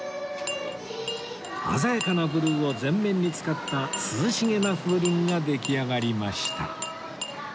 鮮やかなブルーを全面に使った涼しげな風鈴が出来上がりました